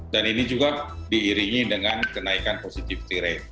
dan ini juga diiringi dengan kenaikan positivity rate